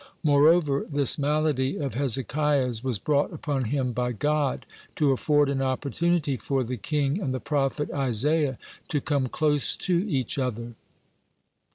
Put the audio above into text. (72) Moreover, this malady of Hezekiah's was brought upon him by God, to afford an opportunity for the king and the prophet Isaiah to come close to each other.